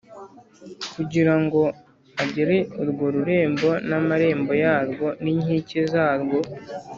kugira ngo agere urwo rurembo n’amarembo yarwo n’inkike zarwo.